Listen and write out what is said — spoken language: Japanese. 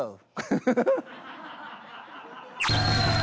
フフフ！